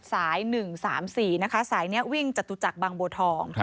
สาย๑๓๔นะคะสายนี้วิ่งจตุจักรบางบัวทอง